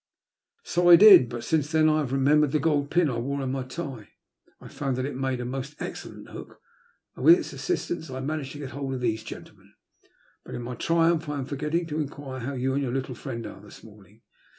So I did. But since then I have remembered the gold pin I wore in my tie. I found that it made a most excellent hook, and with its assistance I managed to get hold of these gentlemen. But, in my triumph, I am forgetting to enquire how you and your little firiend are this morning.